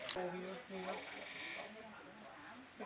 แล้วพวกเราจะมากกว่า